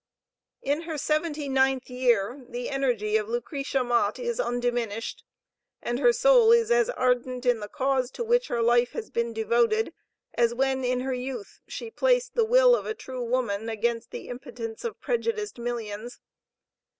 In her seventy ninth year, the energy of Lucretia Mott is undiminished, and her soul is as ardent in the cause to which her life has been devoted, as when in her youth she placed the will of a true woman against the impotence of prejudiced millions.